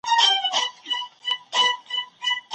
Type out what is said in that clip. حکومت د غیر اقتصادي شرایطو د ښه کیدو هڅه کوي.